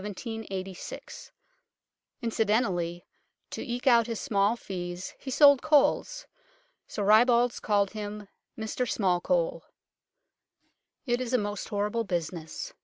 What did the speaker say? Incident ally, to eke out his small fees, he sold coals. So ribalds called him " Mr Smallcole." It is a most horrible business.